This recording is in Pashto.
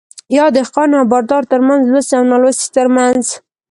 يا دهقان او بادار ترمنځ ،لوستي او نالوستي ترمنځ